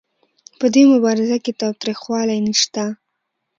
په دې مبارزه کې تاوتریخوالی نشته.